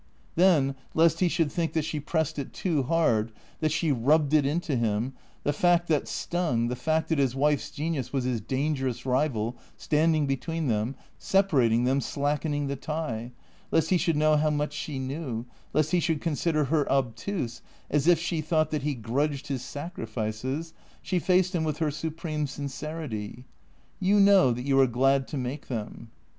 Then, lest he should think that she pressed it too hard, that she rubbed it into him, the fact that stung, the fact that his wife's genius was his dangerous rival, standing between them, separating them, slackening the tie; lest he should know how much she knew; lest he should consider her obtuse, as if she thought that he grudged his sacrifices, she faced him with her supreme sincerity. " You know that you are glad to make them."